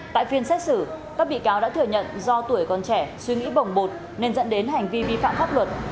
tại phiên xét xử các bị cáo đã thừa nhận do tuổi còn trẻ suy nghĩ bổng bột nên dẫn đến hành vi vi phạm pháp luật